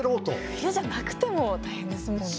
冬じゃなくても大変ですもんね。